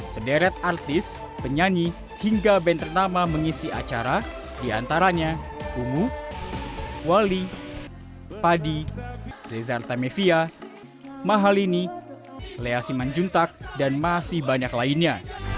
sederet artis penyanyi hingga band ternama mengisi acara diantaranya bungu wali padi rezarta mevia mahalini lea siman juntak dan masih banyak lainnya